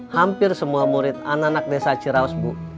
hampir semua murid anak anak desa cirawas bu